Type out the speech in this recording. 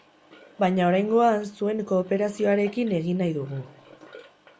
Baina oraingoan, zuen kooperazioarekin egin nahi dugu.